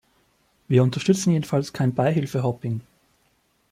Wir unterstützen jedenfalls kein Beihilfe-Hopping.